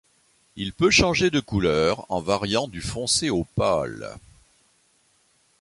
Il peut changer de couleur en variant du foncé au pâle.